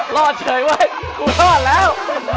รอดเฉยเว้ยกูรอดแล้ว